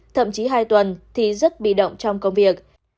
thậm chí hai tuần thì rất bị động trong công việc